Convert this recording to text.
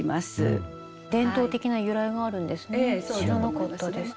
伝統的な由来があるんですね。